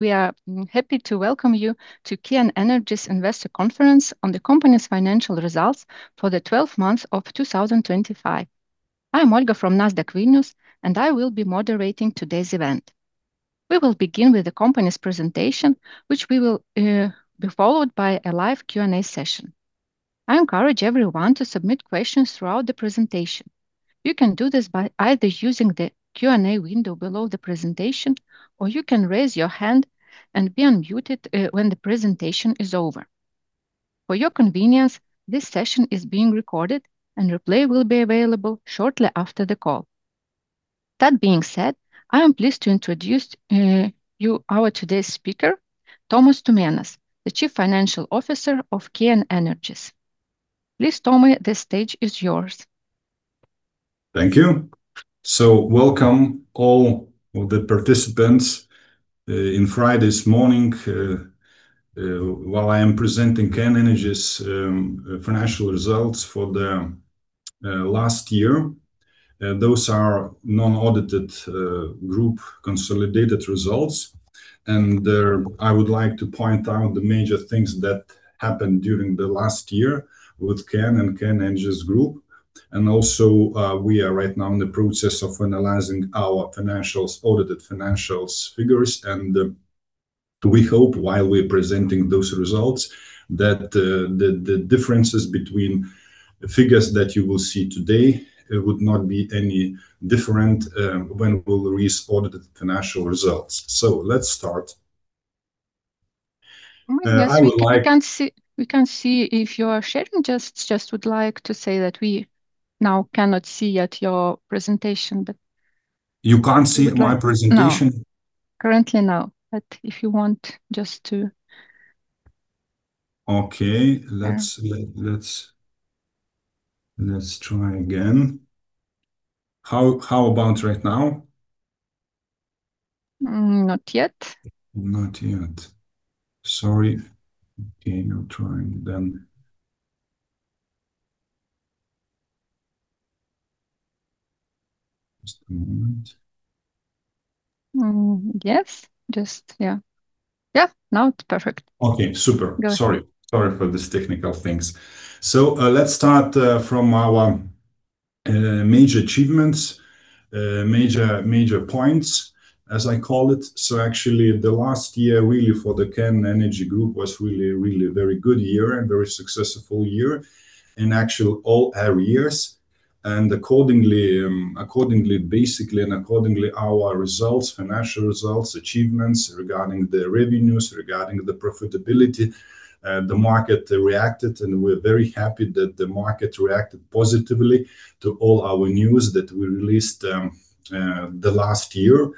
We are happy to welcome you to KN Energies Investor Conference on the company's financial results for the 12 months of 2025. I'm Olga from Nasdaq Vilnius, and I will be moderating today's event. We will begin with the company's presentation, which we will be followed by a live Q&A session. I encourage everyone to submit questions throughout the presentation. You can do this by either using the Q&A window below the presentation, or you can raise your hand and be unmuted when the presentation is over. For your convenience, this session is being recorded and replay will be available shortly after the call. That being said, I am pleased to introduce you our today's speaker, Tomas Tumėnas, the Chief Financial Officer of KN Energies. Please, Tomy, the stage is yours. Thank you. Welcome, all of the participants in Friday's morning, while I am presenting KN Energies' financial results for the last year. Those are non-audited group consolidated results, I would like to point out the major things that happened during the last year with KN and KN Energies Group. We are right now in the process of analyzing our financials, audited financials figures, we hope while we're presenting those results, that the differences between the figures that you will see today would not be any different when we'll release audited financial results. Let's start. I would like- We can see if you are sharing. Just would like to say that we now cannot see yet your presentation. You can't see my presentation? No. Currently, no, but if you want just to. Okay. Yeah. Let's try again. How about right now? Not yet. Not yet. Sorry. Okay, I'm trying then. Just a moment. yes. Just yeah. Yeah, now it's perfect. Okay, super. Go ahead. Sorry for these technical things. Let's start from our major achievements, major points, as I call it. Actually, the last year, really for the KN Energies Group was a very good year and very successful year in actual all our years. Accordingly, accordingly, basically, and accordingly, our results, financial results, achievements regarding the revenues, regarding the profitability, the market reacted, and we're very happy that the market reacted positively to all our news that we released the last year.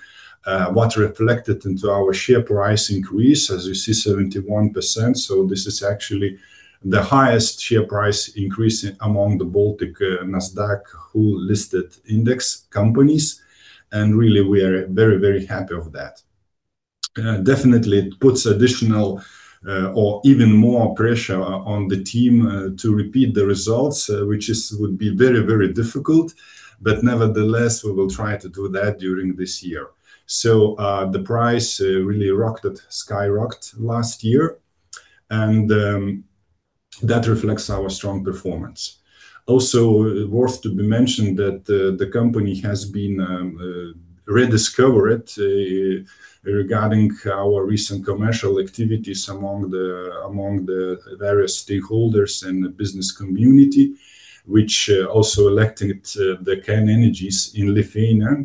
What reflected into our share price increase, as you see, 71%, this is actually the highest share price increase among the Baltic, Nasdaq-who listed index companies, and really, we are very happy of that. Definitely it puts additional or even more pressure on the team to repeat the results, which is would be very, very difficult, but nevertheless, we will try to do that during this year. The price really rocketed, skyrocketed last year, and that reflects our strong performance. Also, worth to be mentioned that the company has been rediscovered regarding our recent commercial activities among the various stakeholders and the business community, which also elected the KN Energies in Lithuania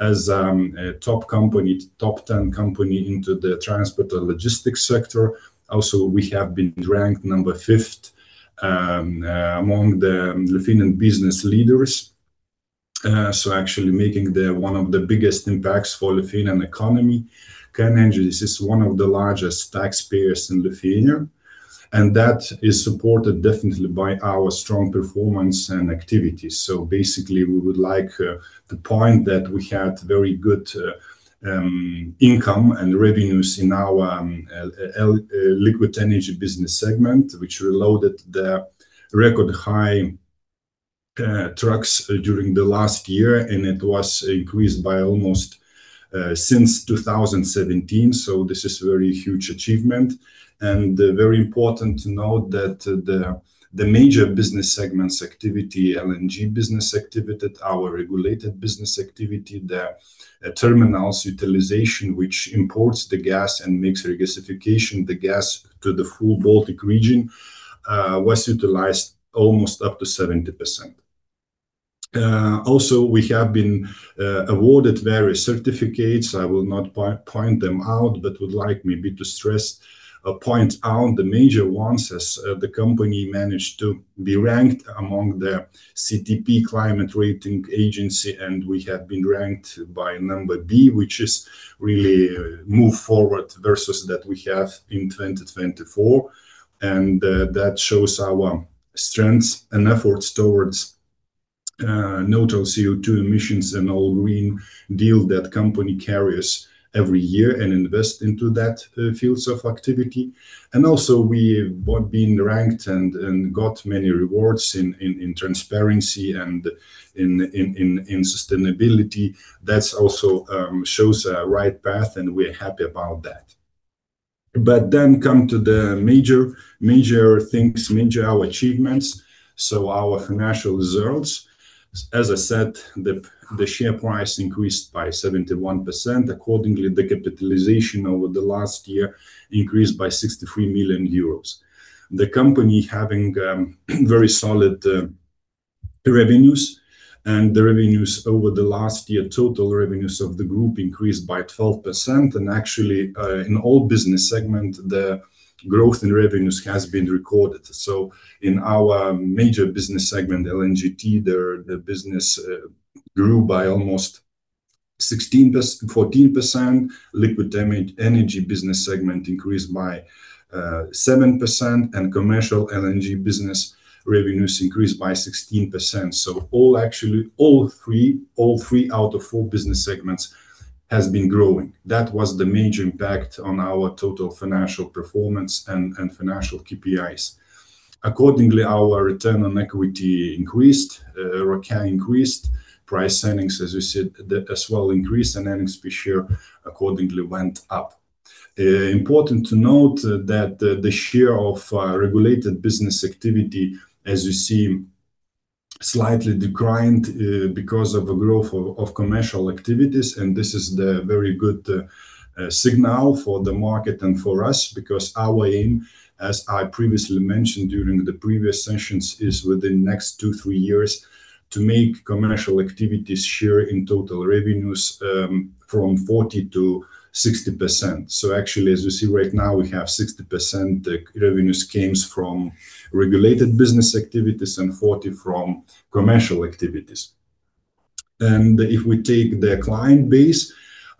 as a top company, top 10 company into the transport and logistics sector. Also, we have been ranked number 5th among the Lithuanian business leaders. Actually making the one of the biggest impacts for Lithuanian economy. KN Energies is one of the largest taxpayers in Lithuania. That is supported definitely by our strong performance and activities. Basically, we would like to point that we had very good income and revenues in our Liquid Energy business segment, which reloaded the record high trucks during the last year, and it was increased by almost since 2017. This is a very huge achievement. Very important to note that the major business segments activity, LNG business activity, our regulated business activity, the terminals utilization, which imports the gas and makes regasification the gas to the full Baltic region, was utilized almost up to 70%. We have been awarded various certificates. I will not point them out, but would like maybe to stress, point out the major ones as the company managed to be ranked among the CDP climate rating agency, and we have been ranked by number B, which is really a move forward versus that we have in 2024. That shows our strengths and efforts towards neutral CO2 emissions and all Green Deal that company carries every year and invest into that fields of activity. Also, we were being ranked and got many awards in transparency and in sustainability. That also shows a right path, and we're happy about that. Come to the major things, major our achievements. Our financial results, as I said, the share price increased by 71%. Accordingly, the capitalization over the last year increased by 63 million euros. The company having very solid revenues, the revenues over the last year, total revenues of the group increased by 12%. In all business segment, the growth in revenues has been recorded. In our major business segment, LNGT, the business grew by almost 14%. Energy business segment increased by 7%, commercial LNG business revenues increased by 16%. All actually, all three out of four business segments has been growing. That was the major impact on our total financial performance and financial KPIs. Accordingly, our return on equity increased, ROCE increased. Price earnings, as we said, as well increased, earnings per share accordingly went up. Important to note that the share of regulated business activity, as you see, slightly declined because of the growth of commercial activities. This is the very good signal for the market and for us. Our aim, as I previously mentioned during the previous sessions, is within the next 2-3 years, to make commercial activities share in total revenues from 40%-60%. As you see right now, we have 60% revenue schemes from regulated business activities, and 40% from commercial activities. If we take the client base,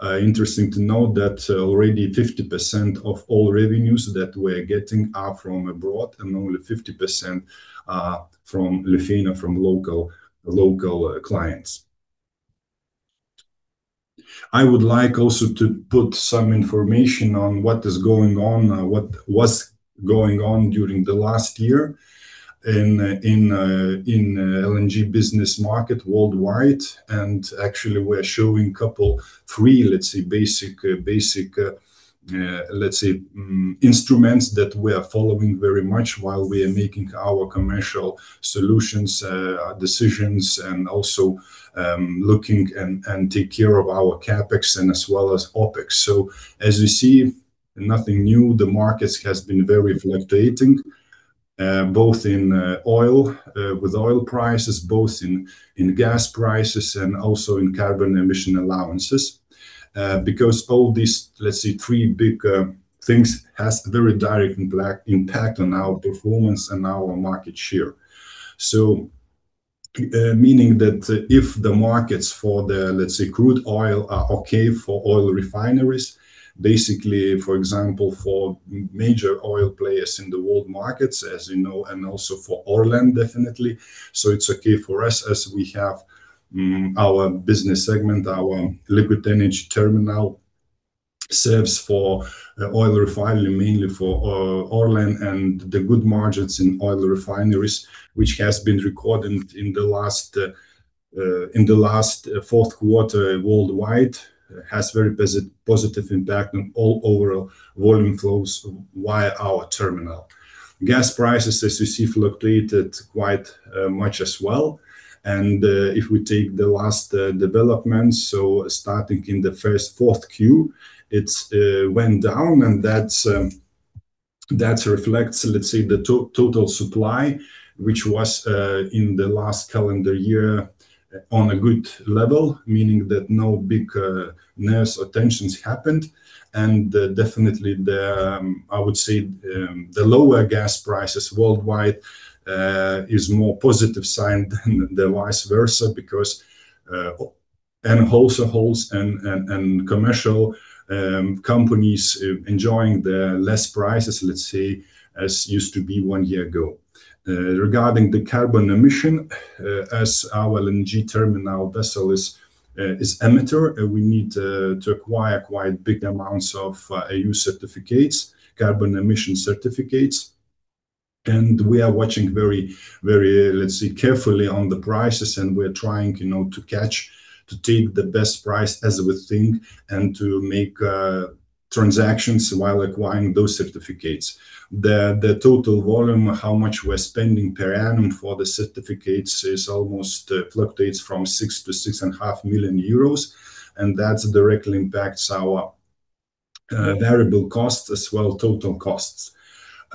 interesting to note that already 50% of all revenues that we're getting are from abroad, and only 50% are from Lithuania, from local clients. I would like also to put some information on what is going on, what was going on during the last year in LNG business market worldwide. Actually, we're showing three, let's say basic, let's say, instruments that we are following very much while we are making our commercial solutions, decisions, and also, looking and take care of our CapEx and as well as OpEx. As you see, nothing new. The markets has been very fluctuating, both in oil, with oil prices, both in gas prices, and also in carbon emission allowances. Because all these, let's say, three big things, has very direct and black impact on our performance and our market share. Meaning that if the markets for the, let's say, crude oil are okay for oil refineries, basically, for example, for major oil players in the world markets, as you know, and also for Orlen, definitely. It's okay for us, as we have, our business segment, our liquid energy terminal, serves for oil refinery, mainly for Orlen. The good margins in oil refineries, which has been recorded in the last, in the last fourth quarter worldwide, has very positive impact on all overall volume flows via our terminal. Gas prices, as you see, fluctuated quite much as well. If we take the last developments, starting in the first 4Q, it went down, and that's that reflects, let's say, the total supply, which was in the last calendar year, on a good level. Meaning that no big nurse or tensions happened, and definitely the, I would say, the lower gas prices worldwide is more positive sign than the vice versa. Wholesale holes and commercial companies enjoying the less prices, let's say, as used to be one year ago. Regarding the carbon emission, as our LNG terminal vessel is emitter, we need to acquire quite big amounts of EU certificates, carbon emission certificates. We are watching very, let's say, carefully on the prices, and we're trying, you know, to catch, to take the best price as we think, and to make transactions while acquiring those certificates. The total volume, how much we're spending per annum for the certificates, is almost fluctuates from 6 million-6.5 million euros, and that directly impacts our variable costs as well, total costs.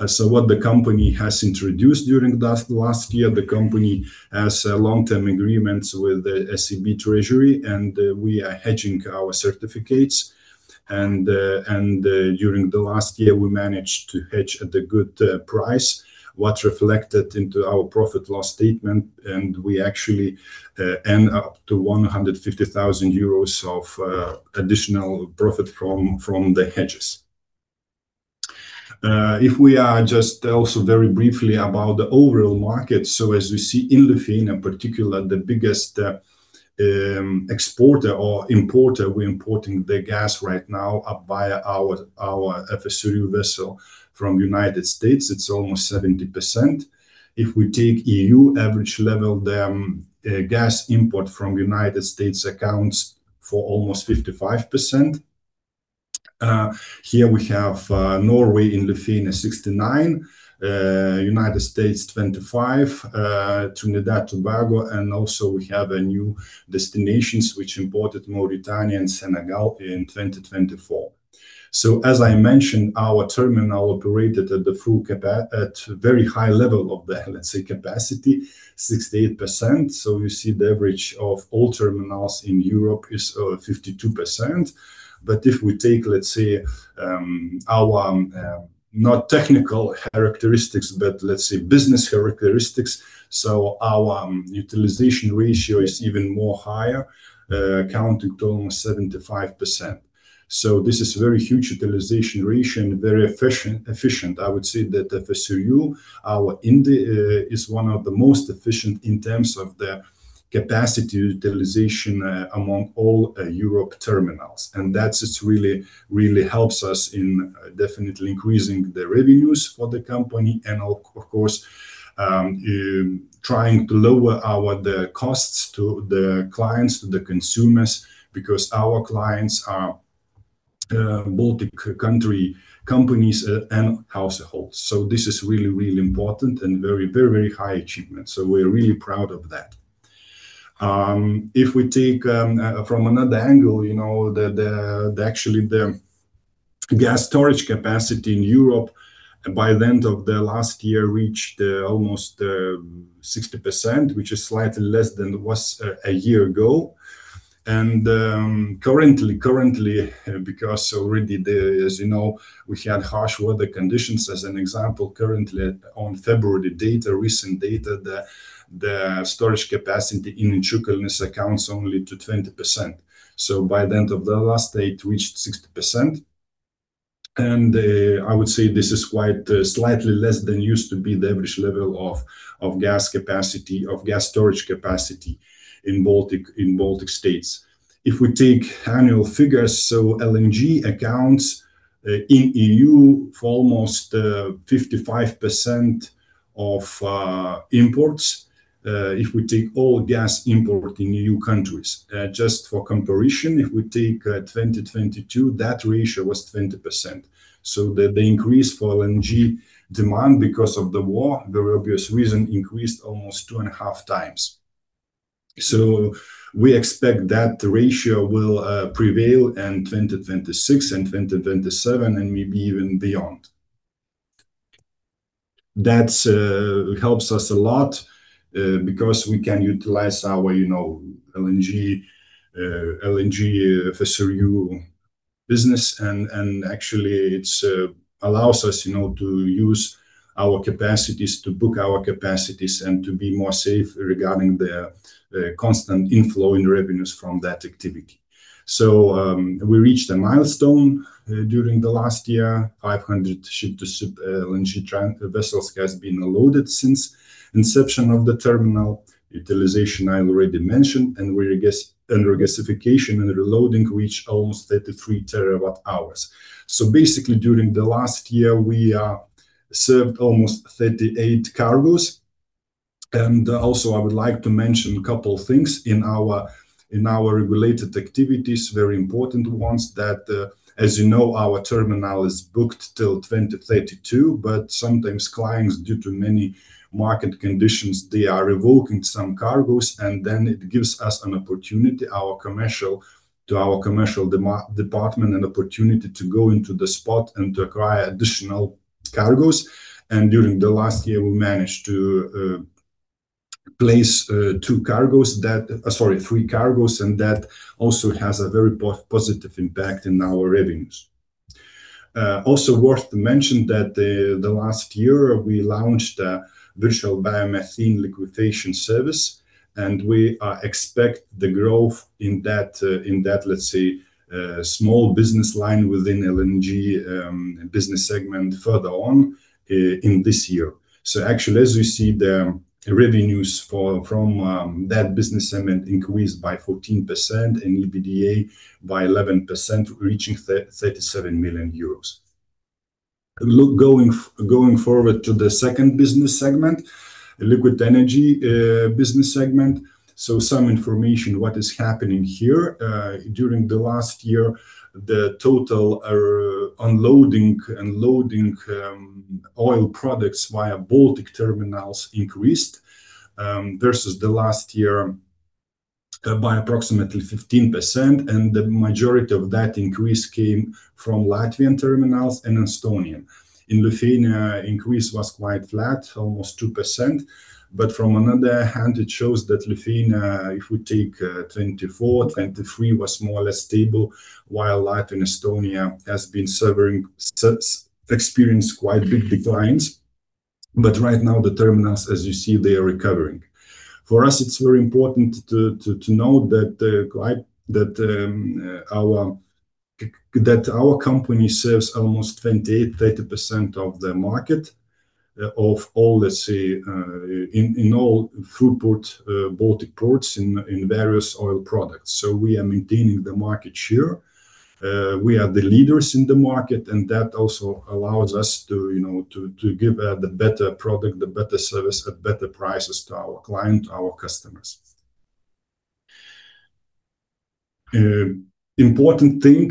What the company has introduced during the last year, the company has long-term agreements with the SEB treasury, and we are hedging our certificates. During the last year, we managed to hedge at a good price, what reflected into our profit/loss statement, and we actually earn up to 150,000 euros of additional profit from the hedges. If we are just also very briefly about the overall market. As you see, in Lithuania in particular, the biggest exporter or importer, we're importing the gas right now via our FSRU vessel from United States. It's almost 70%. If we take EU average level, then gas import from United States accounts for almost 55%. Here we have Norway and Lithuania, 69%, United States, 25%, Trinidad and Tobago, and also we have new destinations which imported Mauritania and Senegal in 2024. As I mentioned, our terminal operated at the full at very high level of the capacity, 68%. You see the average of all terminals in Europe is 52%. If we take, let's say, our not technical characteristics, but let's say, business characteristics, our utilization ratio is even more higher, counting to almost 75%. This is very huge utilization ratio, and very efficient. I would say that the FSRU, our Ind, is one of the most efficient in terms of the capacity utilization, among all Europe terminals. That's it really helps us in definitely increasing the revenues for the company and of course, trying to lower our, the costs to the clients, to the consumers, because our clients are Baltic country companies and households. This is really important and very high achievement, so we're really proud of that. If we take from another angle, you know, the, actually, the gas storage capacity in Europe by the end of the last year reached almost 60%, which is slightly less than it was a year ago. Currently, currently, because already as you know, we had harsh weather conditions. As an example, currently on February data, recent data, the storage capacity in Inčukalns accounts only to 20%. So by the end of the last date, it reached 60%, and I would say this is quite slightly less than used to be the average level of gas capacity, of gas storage capacity in Baltic, in Baltic States. If we take annual figures, LNG accounts in EU for almost 55% of imports, if we take all gas import in EU countries. Just for comparison, if we take 2022, that ratio was 20%, the increase for LNG demand because of the war, the obvious reason, increased almost 2.5x. We expect that ratio will prevail in 2026 and 2027, and maybe even beyond. That helps us a lot because we can utilize our, you know, LNG LNG FSRU business, and actually, it allows us, you know, to use our capacities, to book our capacities, and to be more safe regarding the constant inflow in revenues from that activity. We reached a milestone during the last year. 500 ship-to-ship LNG vessels has been loaded since inception of the terminal. Utilization, I already mentioned. Regasification and reloading, which almost 33 TWh. Basically, during the last year, we served almost 38 cargos. Also, I would like to mention a couple things in our related activities, very important ones, that, as you know, our terminal is booked till 2032. Sometimes clients, due to many market conditions, they are revoking some cargos, then it gives us an opportunity, our commercial department, an opportunity to go into the spot and to acquire additional cargos. During the last year, we managed to place two cargos that... Sorry, three cargos, and that also has a very positive impact in our revenues. Also worth to mention that the last year, we launched a virtual biomethane liquefaction service. We are expect the growth in that, in that, let's say, small business line within LNG business segment further on, in this year. Actually, as you see, the revenues for, from, that business segment increased by 14% and EBITDA by 11%, reaching 37 million euros. Going forward to the second business segment, Liquid Energy business segment. Some information, what is happening here. During the last year, the total unloading and loading oil products via Baltic terminals increased versus the last year by approximately 15%, the majority of that increase came from Latvian terminals and Estonian. In Lithuania, increase was quite flat, almost 2%. From another hand, it shows that Lithuania, if we take 2024, 2023, was more or less stable, while Latvia and Estonia has been suffering, experienced quite big declines. Right now, the terminals, as you see, they are recovering. For us, it's very important to note that our company serves almost 20%, 30% of the market of all, let's say, in all throughput Baltic ports in various oil products. We are maintaining the market share. We are the leaders in the market, and that also allows us to, you know, to give the better product, the better service, at better prices to our client, our customers.... Important thing,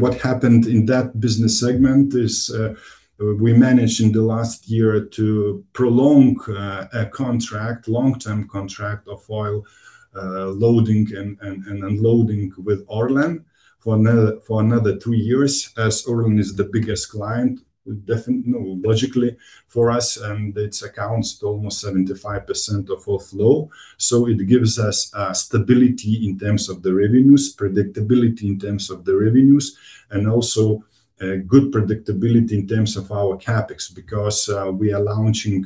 what happened in that business segment is, we managed in the last year to prolong a contract, long-term contract of oil, loading and unloading with Orlen for another two years, as Orlen is the biggest client. We definitely, logically, for us, it accounts to almost 75% of our flow. It gives us stability in terms of the revenues, predictability in terms of the revenues, and also good predictability in terms of our CapEx. We are launching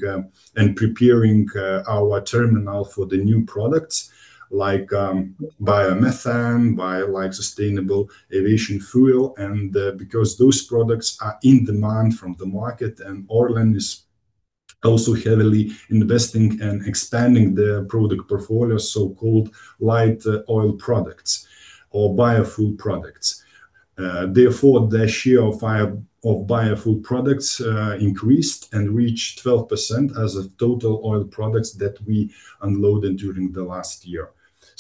and preparing our terminal for the new products, like biomethane, sustainable aviation fuel, because those products are in demand from the market, and Orlen is also heavily investing and expanding their product portfolio, so-called light oil products or biofuel products. Therefore, their share of biofuel products increased and reached 12% as of total oil products that we unloaded during the last year.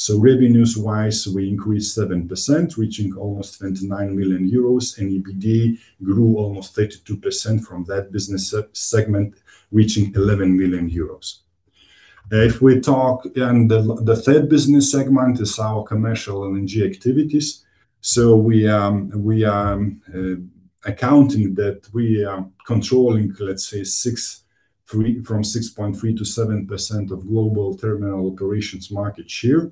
Revenues-wise, we increased 7%, reaching almost 29 million euros, and EBITDA grew almost 32% from that business segment, reaching 11 million euros. If we talk. The third business segment is our commercial LNG activities. We are accounting that we are controlling, let's say, six three, from 6.3%-7% of global terminal operations market share.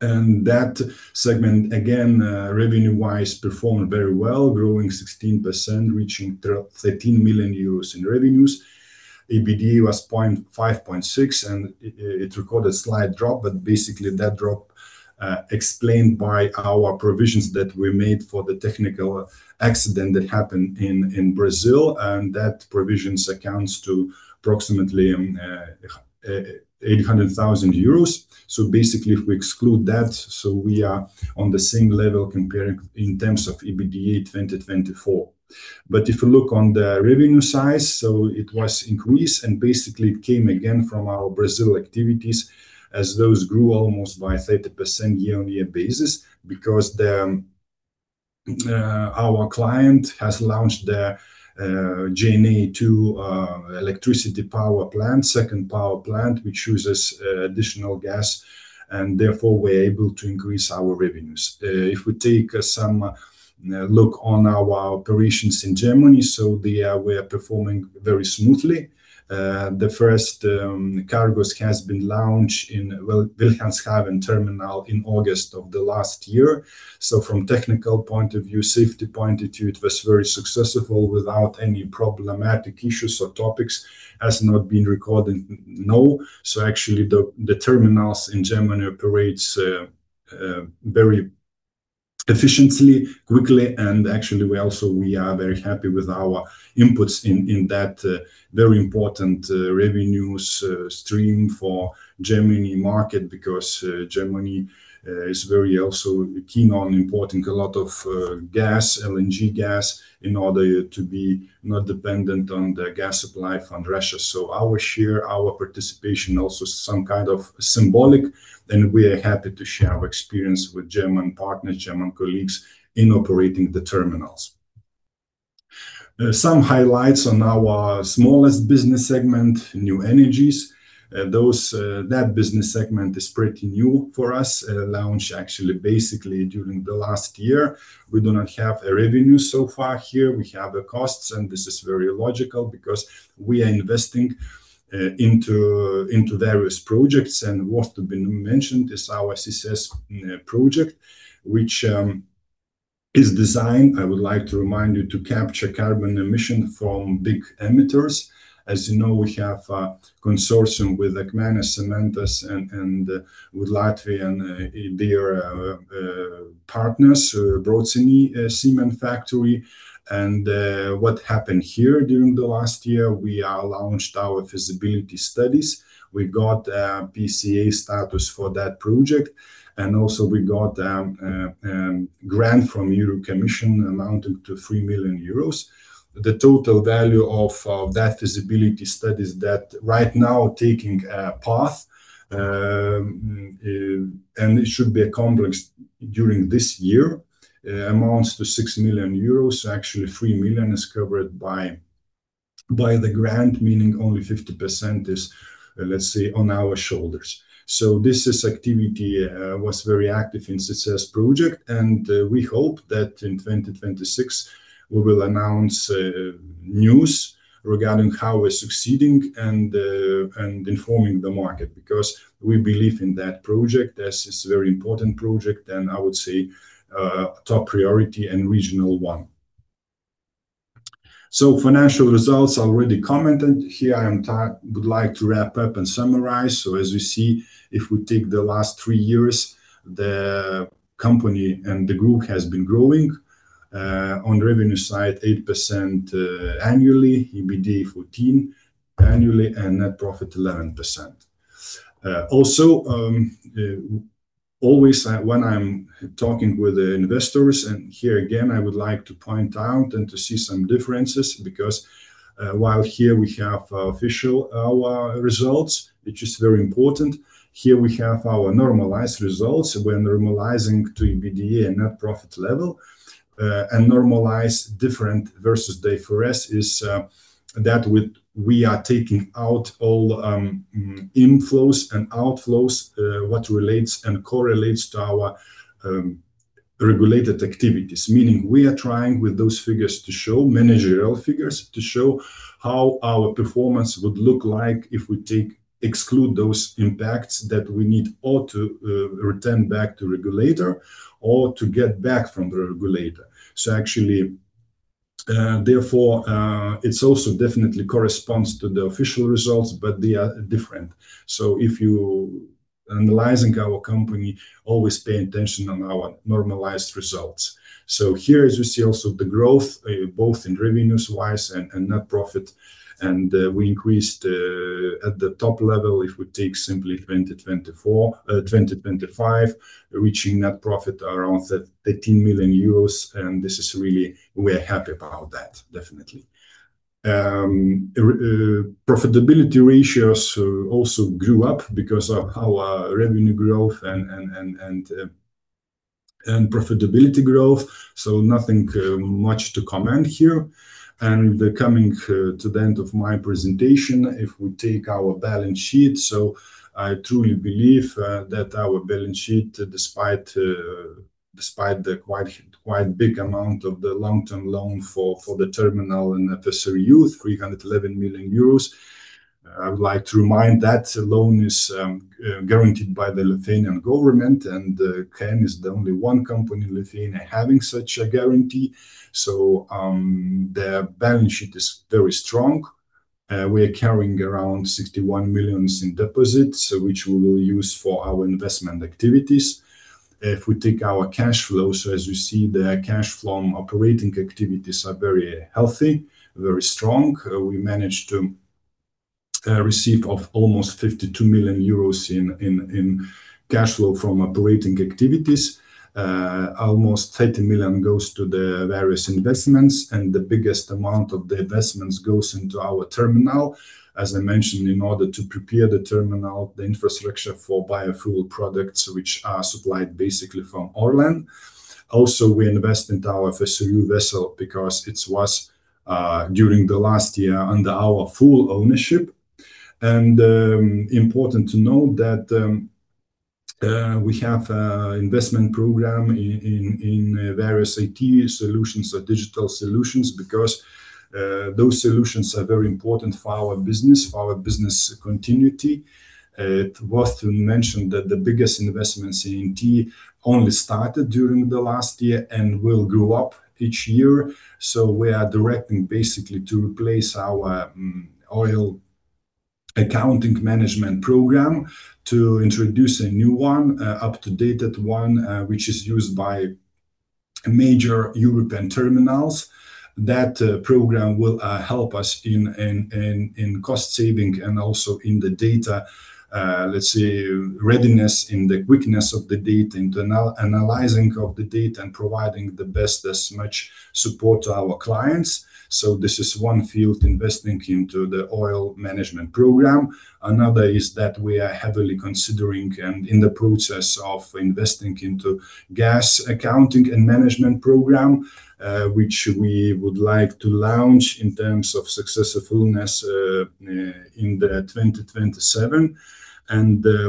That segment, again, revenue-wise, performed very well, growing 16%, reaching 13 million euros in revenues. EBITDA was 5.6. It recorded a slight drop. Basically, that drop explained by our provisions that we made for the technical accident that happened in Brazil. That provisions accounts to approximately 800,000 euros. Basically, if we exclude that, so we are on the same level comparing in terms of EBITDA 2024. If you look on the revenue side, so it was increased. Basically, it came again from our Brazil activities, as those grew almost by 30% year-on-year basis. Because our client has launched their journey to electricity power plant, second power plant, which uses additional gas. Therefore we're able to increase our revenues. If we take some look on our operations in Germany, so they were performing very smoothly. The first cargos has been launched in Wilhelmshaven terminal in August of the last year. From technical point of view, safety point of view, it was very successful without any problematic issues or topics, has not been recorded, no. Actually, the terminals in Germany operates very efficiently, quickly, and actually, we also, we are very happy with our inputs in that very important revenues stream for Germany market. Because Germany is very also keen on importing a lot of gas, LNG gas, in order to be not dependent on the gas supply from Russia. Our share, our participation, also some kind of symbolic, and we are happy to share our experience with German partners, German colleagues in operating the terminals. Some highlights on our smallest business segment, New Energies. Those, that business segment is pretty new for us, launched actually, basically during the last year. We do not have a revenue so far here. We have the costs, this is very logical, because we are investing into various projects. What has been mentioned is our CCS project, which is designed, I would like to remind you, to capture carbon emission from big emitters. As you know, we have a consortium with Akmenės cementas and with Latvia and their partners, Brocēni Cement Factory. What happened here during the last year, we launched our feasibility studies. We got PCI status for that project, and also we got a grant from European Commission, amounted to 3 million euros. of that feasibility studies that right now taking a path, and it should be accomplished during this year, amounts to 6 million euros. Actually, 3 million is covered by the grant, meaning only 50% is, let's say, on our shoulders. This activity was very active in success project, and we hope that in 2026, we will announce news regarding how we're succeeding and informing the market, because we believe in that project, as it's a very important project, and I would say, top priority and regional one. Financial results, I already commented here, and I would like to wrap up and summarize.</p As you see, if we take the last three years, the company and the group has been growing, on the revenue side, 8% annually, EBITDA, 14% annually, and net profit, 11%. Also, always, when I'm talking with the investors, and here again, I would like to point out and to see some differences, because, while here we have, official, our results, which is very important. Here we have our normalized results when normalizing to EBITDA and net profit level. Normalize different versus de forest is, that with we are taking out all, inflows and outflows, what relates and correlates to our, regulated activities. Meaning, we are trying with those figures to show, managerial figures, to show how our performance would look like if we take exclude those impacts that we need or to return back to regulator or to get back from the regulator. Actually, therefore, it's also definitely corresponds to the official results, but they are different. If you analyzing our company, always pay attention on our normalized results. Here, as you see also the growth, both in revenues-wise and net profit, and we increased at the top level, if we take simply 2025, reaching net profit around 13 million euros, and this is really, we are happy about that, definitely. Profitability ratios also grew up because of our revenue growth and profitability growth, nothing much to comment here. Coming to the end of my presentation, if we take our balance sheet, I truly believe that our balance sheet, despite despite the big amount of the long-term loan for the terminal and necessary use, 311 million euros. I would like to remind that loan is guaranteed by the Lithuanian government, and KN is the only one company in Lithuania having such a guarantee. The balance sheet is very strong. We are carrying around 61 million in deposits, which we will use for our investment activities. If we take our cash flow, so as you see, the cash flow from operating activities are very healthy, very strong. We managed to receive of almost 52 million euros in cash flow from operating activities. Almost 30 million goes to the various investments, and the biggest amount of the investments goes into our terminal. As I mentioned, in order to prepare the terminal, the infrastructure for biofuel products, which are supplied basically from Orlen. Also, we invest into our FSRU vessel because it was during the last year under our full ownership. Important to note that we have an investment program in various IT solutions or digital solutions, because those solutions are very important for our business, for our business continuity. It worth to mention that the biggest investments in IT only started during the last year and will go up each year. We are directing basically to replace our oil accounting management program, to introduce a new one, up-to-dated one, which is used by major European terminals. That program will help us in cost saving and also in the data, let's say, readiness, in the quickness of the data, in the analyzing of the data, and providing the best, as much support to our clients. This is one field investing into the oil management program. Another is that we are heavily considering and in the process of investing into gas accounting and management program, which we would like to launch in terms of successfulness in 2027.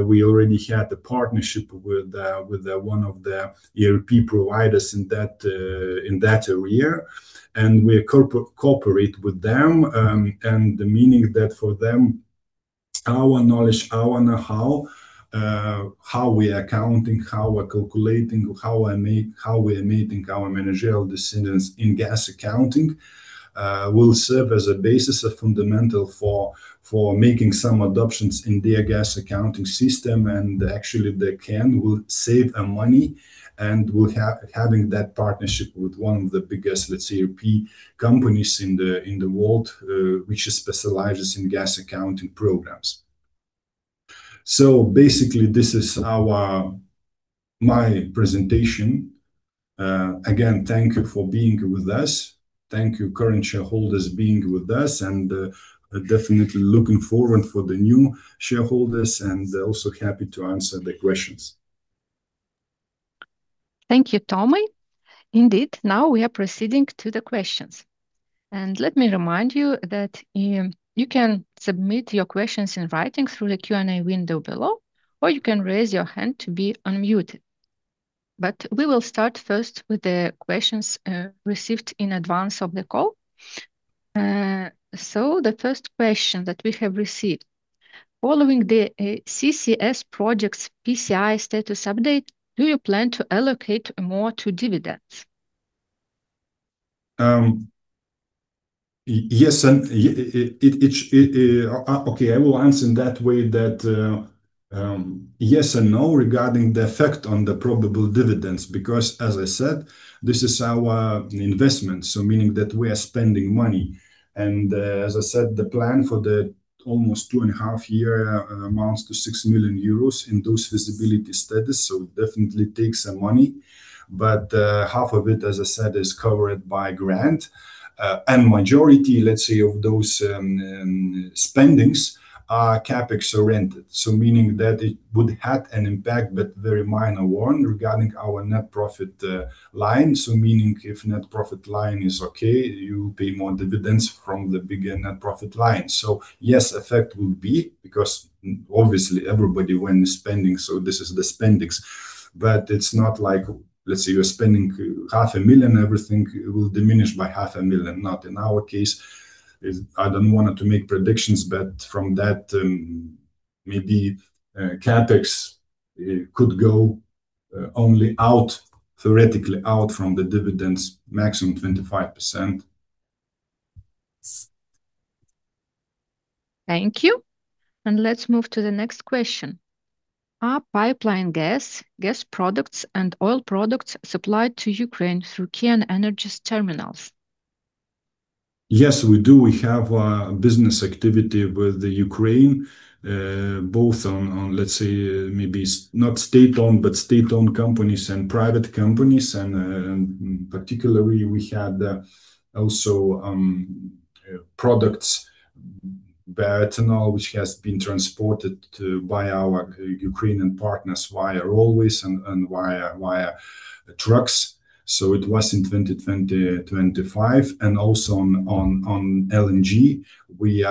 We already had a partnership with one of the ERP providers in that area, and we cooperate with them. Meaning that for them, our knowledge, our know-how, how we are accounting, how we're calculating, how we are making our managerial decisions in gas accounting, will serve as a basis, a fundamental for making some adoptions in their gas accounting system. Actually, they will save a money having that partnership with one of the biggest, let's say, ERP companies in the world, which specializes in gas accounting programs. Basically, this is my presentation. Again, thank you for being with us. Thank you, current shareholders, being with us, and definitely looking forward for the new shareholders, and also happy to answer the questions. Thank you, Tomas. Indeed, now we are proceeding to the questions. Let me remind you that you can submit your questions in writing through the Q&A window below, or you can raise your hand to be unmuted. We will start first with the questions received in advance of the call. The first question that we have received: Following the CCS projects PCI status update, do you plan to allocate more to dividends? Okay, I will answer in that way that yes and no regarding the effect on the probable dividends, because, as I said, this is our investment, so meaning that we are spending money. As I said, the plan for the almost two and a half year amounts to 6 million euros in those feasibility studies, so definitely takes some money. Half of it, as I said, is covered by grant. Majority, let's say, of those spendings are CapEx oriented, so meaning that it would have an impact, but very minor one, regarding our net profit line. Meaning, if net profit line is okay, you pay more dividends from the bigger net profit line. Yes, effect will be, because obviously everybody, when spending, so this is the spendings. It's not like, let's say, you're spending half a million, everything will diminish by half a million, not in our case. I don't want to make predictions, from that, maybe CapEx, it could go only out, theoretically out from the dividends, maximum 25%. Thank you. Let's move to the next question. Are pipeline gas products, and oil products supplied to Ukraine through KN Energies terminals? Yes, we do. We have a business activity with the Ukraine, both on, let's say, maybe not state-owned, but state-owned companies and private companies. Particularly, we had also products, Bioethanol, which has been transported by our Ukrainian partners via railways and via trucks. It was in 2020, 2025, and also on LNG. We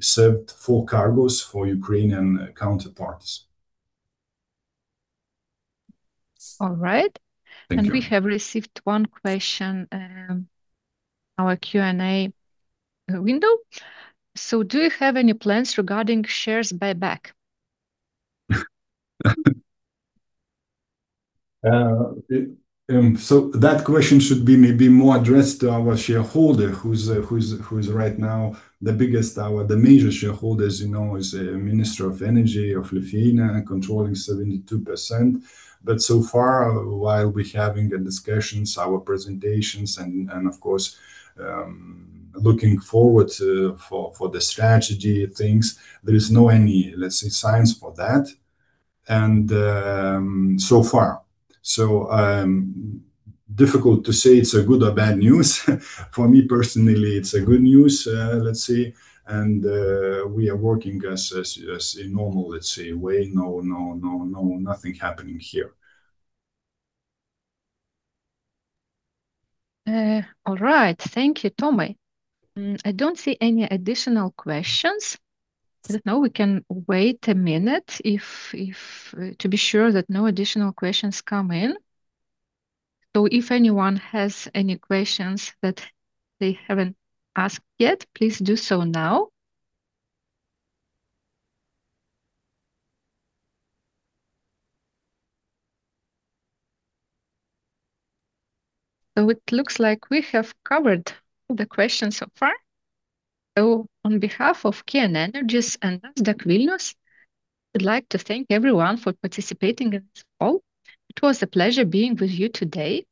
served four cargoes for Ukrainian counterparts. All right. Thank you. We have received one question, our Q&A window. Do you have any plans regarding shares buyback? So that question should be maybe more addressed to our shareholder, who's, who is right now the biggest. Our the major shareholder, as you know, is Minister of Energy of Lithuania, controlling 72%. So far, while we're having the discussions, our presentations, and of course, looking forward to, for the strategy things, there is no any, let's say, signs for that, and so far. Difficult to say it's a good or bad news. For me, personally, it's a good news, let's say, and we are working as a normal, let's say, way. No, no, no nothing happening here. All right. Thank you, Tomy. I don't see any additional questions. We can wait a minute if, to be sure that no additional questions come in. If anyone has any questions that they haven't asked yet, please do so now. It looks like we have covered all the questions so far. On behalf of KN Energies and Nasdaq Vilnius, we'd like to thank everyone for participating in this call. It was a pleasure being with you today.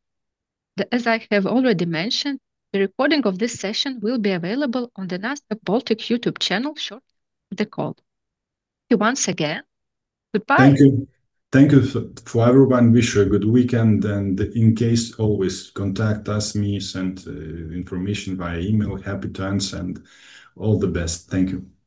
As I have already mentioned, the recording of this session will be available on the Nasdaq Baltic YouTube channel shortly after the call. Thank you once again. Goodbye. Thank you. Thank you for everyone. Wish you a good weekend, in case, always contact us, me, send information via email. Happy to answer, all the best. Thank you.